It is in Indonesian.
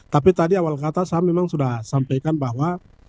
tapi tadi awal kata saya memang sudah sampaikan bahwa